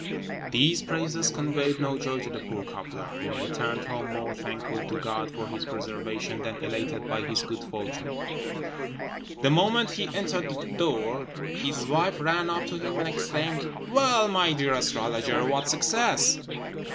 These praises conveyed no joy to the poor cobbler, who returned home more thankful to God for his preservation than elated by his good fortune. The moment he entered the door his wife ran up to him and exclaimed, "Well, my dear astrologer! what success?"